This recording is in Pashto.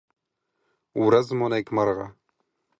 ورڅ مو نېکمرغه!